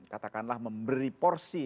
katakanlah memberi porsi